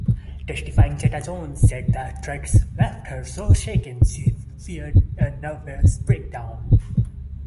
Testifying, Zeta-Jones said the threats left her so shaken she feared a nervous breakdown.